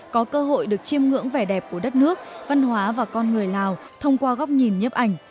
có cơ hội được chiêm ngưỡng vẻ đẹp của đất nước văn hóa và con người lào thông qua góc nhìn nhếp ảnh